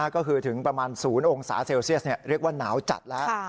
ก็คือถึงประมาณ๐องศาเซลเซียสเรียกว่าหนาวจัดแล้ว